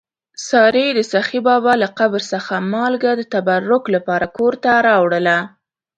سارې د سخي بابا له قبر څخه مالګه د تبرک لپاره کور ته راوړله.